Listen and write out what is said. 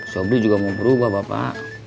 sobri juga mau berubah bapak